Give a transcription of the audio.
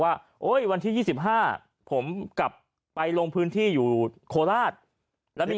ว่าวันที่๒๕ผมกลับไปลงพื้นที่อยู่โคราชแล้วมี